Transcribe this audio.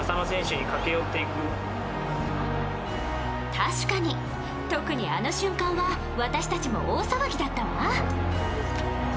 確かに、特にあの瞬間は私たちも大騒ぎだったわ！